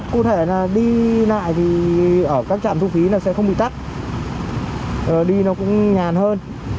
cụ thể là đi lại thì ở các trạm thu phí nó sẽ không bị tắt đi nó cũng nhàn hơn